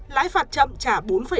lãi phạt chậm trả bốn năm